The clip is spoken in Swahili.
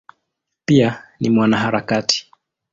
Pia ni mwanaharakati.